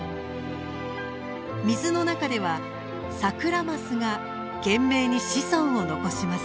水の中ではサクラマスが懸命に子孫を残します。